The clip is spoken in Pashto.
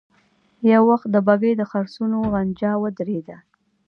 يو وخت د بګۍ د څرخونو غنجا ودرېده.